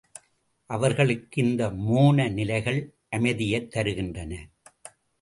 அவர்களுக்கு இந்த மோன நிலைகள் அமைதியைத் தருகின்றன.